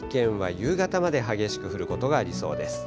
夕方まで激しく降ることがありそうです。